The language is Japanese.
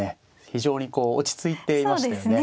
非常にこう落ち着いていましたよね。